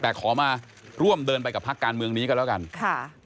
แต่ขอมาร่วมเดินไปกับพักการเมืองนี้ก็แล้วกันค่ะ